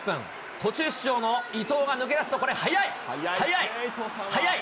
途中出場の伊東が抜け出すと、これ、速い、速い、速い。